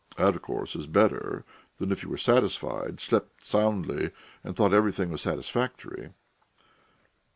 That, of course, is better than if you were satisfied, slept soundly, and thought everything was satisfactory.